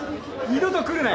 二度と来るな？